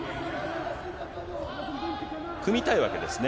組みたいわけですね？